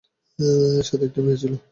সাথে একটা মেয়ে ছিল।